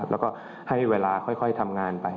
แล้วก็ให้เวลาค่อยทำงานไป